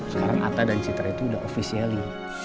sekarang atta dan citra itu udah official ly